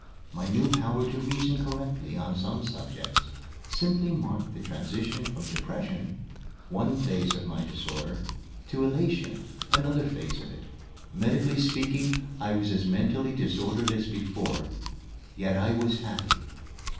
My new power to reason correctly on some subjects simply marked the transition from depression, one phase of my disorder, to elation, another phase of it. Medically speaking, I was as mentally disordered as before yet I was happy!